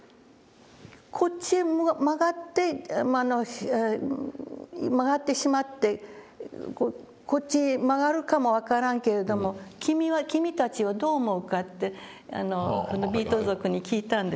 「こっちへ曲がって曲がってしまってこうこっちへ曲がるかも分からんけれども君は君たちはどう思うか？」ってビート族に聞いたんです。